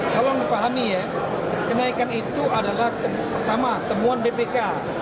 kalau mempahami ya kenaikan itu adalah pertama temuan bpk